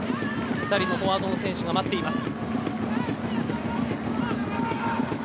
２人のフォワードの選手が待ちます。